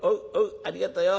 ありがとよ。